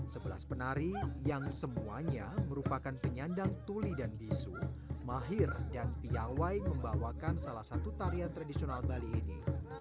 sebelas penari yang semuanya merupakan penyandang tuli dan bisu mahir dan piawai membawakan salah satu tarian tradisional bali ini